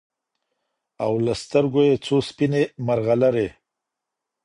او له سترګو يې څو سپيني مرغلري